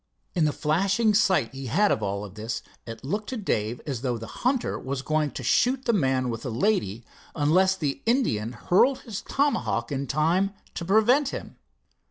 In the flashing sight he had of all this, it looked to Dave as though the hunter was going to shoot the man with the lady, unless the Indian hurled his tomahawk in time to prevent him.